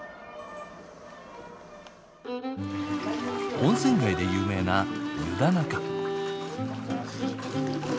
温泉街で有名な湯田中。